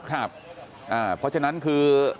ครับเพราะฉะนั้นคือ